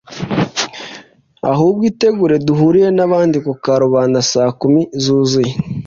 Ahubwo itegure duhurire n'abandi ku karubanda saa kumi zuzuye